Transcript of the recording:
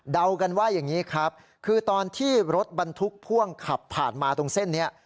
กันว่าอย่างนี้ครับคือตอนที่รถบรรทุกพ่วงขับผ่านมาตรงเส้นนี้